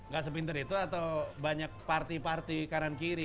gak sepinter itu atau banyak party party kanan kiri